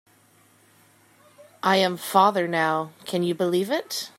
I am father now, can you believe it?